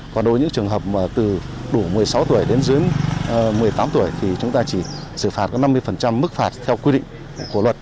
còn đối với những trường hợp mà từ đủ một mươi sáu tuổi đến dưới một mươi tám tuổi thì chúng ta chỉ xử phạt năm mươi mức phạt theo quy định của luật